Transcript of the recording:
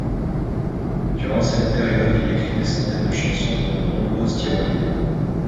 Durant cette période, il écrit des centaines de chansons dont de nombreuses tyroliennes.